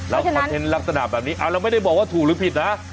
แล้วคอนเทนต์ลักษณะแบบนี้เราไม่ได้บอกว่าถูกหรือผิดนะ